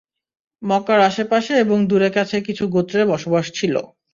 মক্কার আশে-পাশে এবং দুরে-কাছে কিছু গোত্রের বসবাস ছিল।